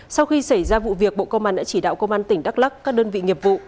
sau khi xảy ra vụ việc bộ công an đã chỉ đạo công an tỉnh đắk lắc các đơn vị nghiệp vụ